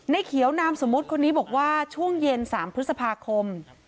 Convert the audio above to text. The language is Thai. เขียวนามสมมุติคนนี้บอกว่าช่วงเย็น๓พฤษภาคม